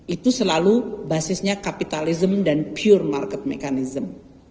itu selalu basisnya kapitalism dan pure market mechanism